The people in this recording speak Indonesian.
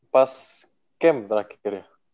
pas camp terakhir ya